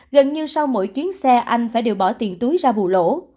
gần như sau mỗi chuyến xe anh phải đều bỏ tiền túi ra bù lỗ